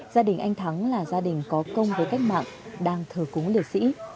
gia đình anh thắng là gia đình có công với cách mạng đang thờ cúng liệt sĩ